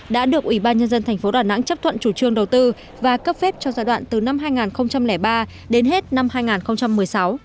đã được ủy ban nhân dân thành phố đà nẵng chấp thuận chủ trương đầu tư và cấp phép cho giai đoạn từ năm hai nghìn ba đến hết năm hai nghìn một mươi sáu